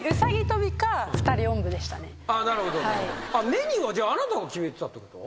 メニューはあなたが決めてたってこと？